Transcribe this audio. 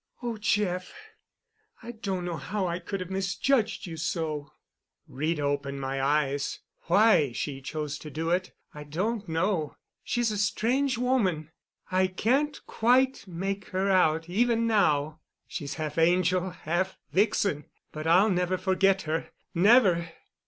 "Oh, Jeff, I don't know how I could have misjudged you so. Rita opened my eyes—why she chose to do it, I don't know. She's a strange woman—I can't quite make her out even now. She's half angel, half vixen, but I'll never forget her—never!"